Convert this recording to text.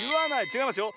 ちがいますよ。